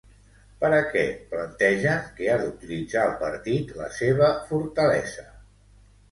Per a què plantegen que ha d'utilitzar el partit la seva fortalesa?